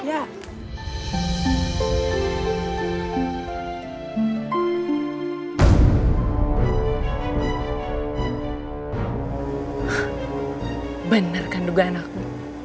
ha bener kan duga anak bu